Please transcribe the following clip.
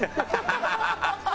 ハハハハ！